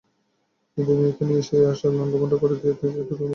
কিন্তু মেয়েকে নিয়ে সেই আশা লন্ডভন্ড করে দিয়ে গেছে দ্রুতগামী একটি ট্রাক।